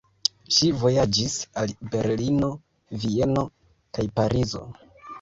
Ŝi vojaĝis al Berlino, Vieno kaj Parizo.